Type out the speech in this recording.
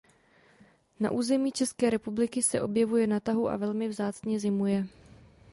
Na území České republiky se objevuje na tahu a velmi vzácně zimuje.